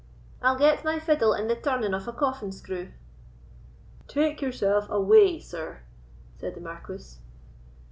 I'll get my fiddle in the turning of a coffin screw." "Take yourself away, sir," said the Marquis.